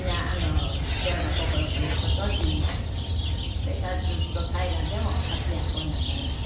それからずっと大河でも活躍をなさいました。